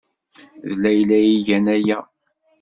D Layla ay igan aya?